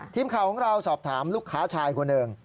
ทีมข่าวของเราสอบถามลูกค้าชายคนหนึ่ง